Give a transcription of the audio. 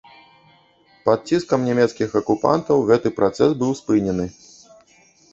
Пад ціскам нямецкіх акупантаў гэты працэс быў спынены.